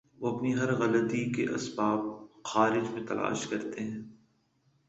وہ اپنی ہر غلطی کے اسباب خارج میں تلاش کرتے ہیں۔